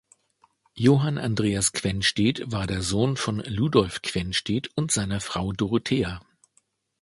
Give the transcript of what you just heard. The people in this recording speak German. Johann Andreas Quenstedt war der Sohn von Ludolf Quenstedt und seiner Frau Dorothea.